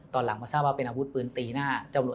ตอนหลังมาทราบว่าเป็นอาวุธปืนตีหน้าตำรวจ